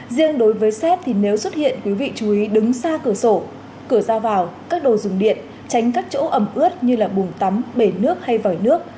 riêng đối với xét thì nếu xuất hiện quý vị chú ý đứng xa cửa sổ cửa ra vào các đồ dùng điện tránh các chỗ ấm ướt như là bùng tắm bể nước hay vỏi nước